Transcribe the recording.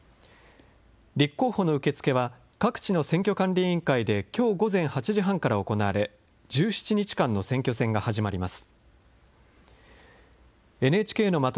立候補の受け付けは、各地の選挙管理委員会できょう午前８時半から行われ、１７日間の選挙戦が始まります。